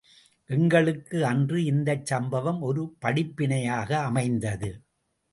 எங்களுக்கு அன்று இந்தச் சம்பவம் ஒரு படிப்பினையாக அமைந்தது.